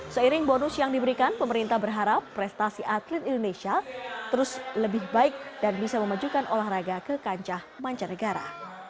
seiring bonus yang diberikan pemerintah berharap prestasi atlet indonesia terus lebih baik dan bisa memajukan olahraga ke kancah mancanegara